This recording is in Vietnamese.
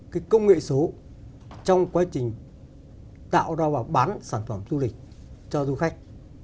cái công nghệ số trong quá trình tạo ra và bán sản phẩm du lịch cho du khách